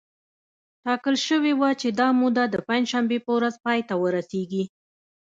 ټاکل شوې وه چې دا موده د پنجشنبې په ورځ پای ته ورسېږي